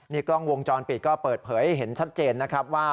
นี่กล้องวงจรปิดก็เปิดเผยเห็นชัดเจนนะครับว่า